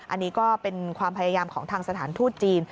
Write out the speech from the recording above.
อันนี้ก็เป็นความพยายามของทางสถานทูตจีน